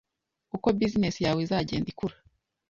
uko business yawe izagenda ikura.